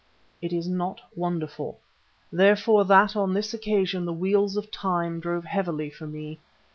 It is not wonderful, therefore, that on this occasion the wheels of Time drave heavily for me.